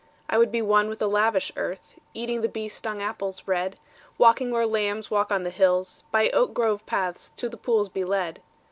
I would be one with the lavish earth, Eating the bee stung apples red: Walking where lambs walk on the hills; By oak grove paths to the pools be led.